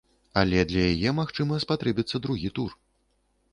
Але для яе, магчыма, спатрэбіцца другі тур.